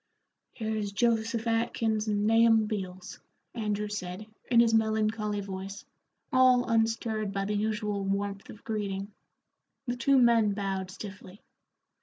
"Here's Joseph Atkins and Nahum Beals," Andrew said, in his melancholy voice, all unstirred by the usual warmth of greeting. The two men bowed stiffly.